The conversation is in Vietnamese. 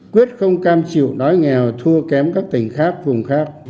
quyết không cam chịu đói nghèo thua kém các tỉnh khác vùng khác